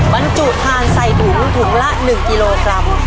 บรรจุทานใส่ถุงถุงละ๑กิโลกรัม